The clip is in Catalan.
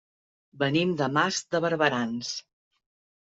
Venim de Mas de Barberans.